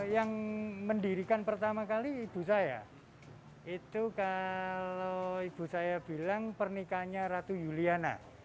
yang mendirikan pertama kali ibu saya itu kalau ibu saya bilang pernikahannya ratu juliana